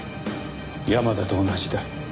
山田と同じだ。